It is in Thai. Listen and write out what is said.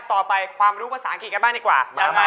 ต่อไปความรู้ภาษาอังกฤษกันบ้างดีกว่า